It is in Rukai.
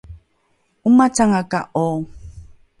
’omacanga ko’o